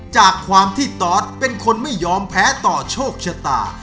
จากความที่ตอสเป็นคนไม่ยอมแพ้ต่อโชคชะตา